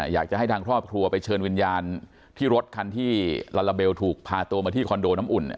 อยากจะให้ทางครอบครัวไปเชิญวิญญาณที่รถคันที่ลาลาเบลถูกพาตัวมาที่คอนโดน้ำอุ่น